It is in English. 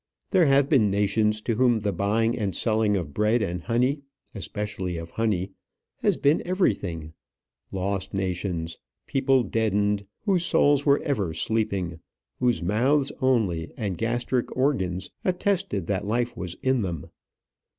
There have been nations to whom the buying and selling of bread and honey especially of honey has been everything; lost nations people deadened, whose souls were ever sleeping, whose mouths only and gastric organs attested that life was in them.